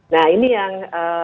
nah ini yang